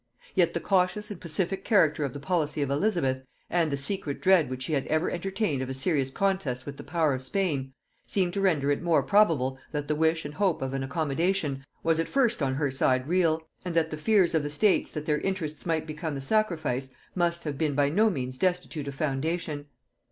Yet the cautious and pacific character of the policy of Elizabeth, and the secret dread which she ever entertained of a serious contest with the power of Spain, seem to render it more probable that the wish and hope of an accommodation was at first on her side real; and that the fears of the States that their interests might become the sacrifice, must have been by no means destitute of foundation.